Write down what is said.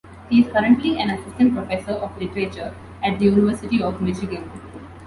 He is currently an assistant professor of literature at the University of Michigan.